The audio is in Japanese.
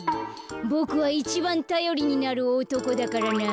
ボクはいちばんたよりになるおとこだからな。